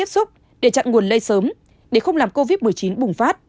sức để chặn nguồn lây sớm để không làm covid một mươi chín bùng phát